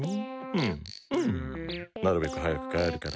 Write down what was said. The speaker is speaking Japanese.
うんうんなるべくはやくかえるから。